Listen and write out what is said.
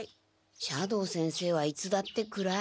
斜堂先生はいつだって暗い。